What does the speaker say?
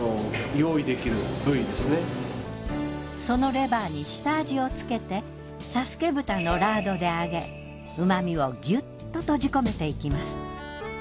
そのレバーに下味をつけて佐助豚のラードで揚げ旨みをギュッと閉じ込めていきます。